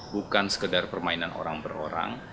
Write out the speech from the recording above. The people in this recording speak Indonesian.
bukan sekedar permainan orang per orang